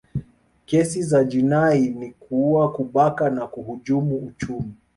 kesi za jinai ni kuua kubaka na kuhujumu uchumi